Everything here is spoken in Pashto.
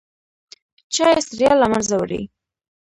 چای ستړیا له منځه وړي.